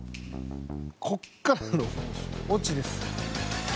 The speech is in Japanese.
ここからのオチです。